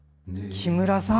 木村さん